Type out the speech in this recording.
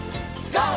ＧＯ！